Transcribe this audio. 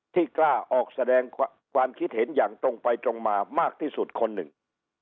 กล้าออกแสดงความคิดเห็นอย่างตรงไปตรงมามากที่สุดคนหนึ่ง